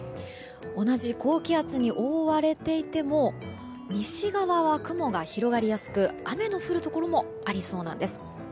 同じ高気圧に覆われていても西側は雲が広がりやすく雨の降るところもありそうなんです。